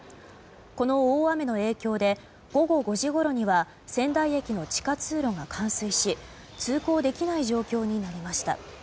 この大雨の影響で午後５時ごろには仙台駅の地下通路が冠水し通行できない状況になりました。